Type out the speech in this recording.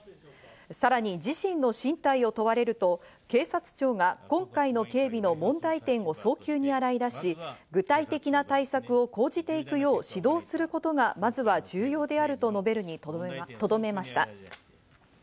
さらに自身の進退を問われると、警察庁が今回の警備の問題点を早急に洗い出し、具体的な対策を講じていくよう指導することが、まずは重要であると述べるにとどめました。